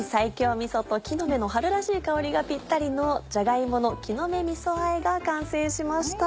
みそと木の芽の春らしい香りがぴったりの「じゃが芋の木の芽みそあえ」が完成しました。